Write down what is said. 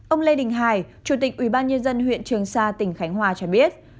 ông lê đình hải chủ tịch ubnd huyện trường sa tỉnh khánh hòa cho biết